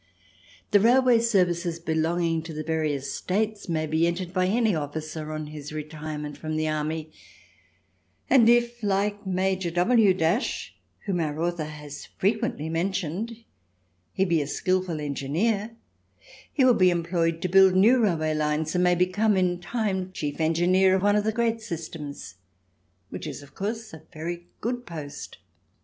The railway services belonging to the various States may be entered by any officer on his retirement from the army, and if, like Major W , whom our author has frequently mentioned, he be a skilful engineer, he will be employed to build new railway lines and may become in time chief engineer of one of the great systems, which is, of course, a very good post.